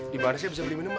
di barisnya bisa beli minum